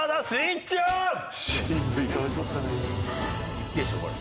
いけるでしょこれ。